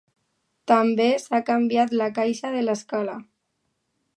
També s'ha canviat la caixa de l'escala.